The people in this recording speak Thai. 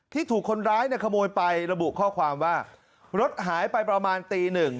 ถูกคนร้ายเนี่ยขโมยไประบุข้อความว่ารถหายไปประมาณตีหนึ่ง